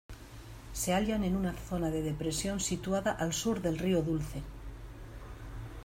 Se hallan en una zona de depresión situada al sur del río Dulce.